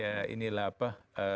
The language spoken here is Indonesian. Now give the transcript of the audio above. ya inilah apa